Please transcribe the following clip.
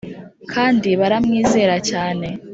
kandi baramwizera cyane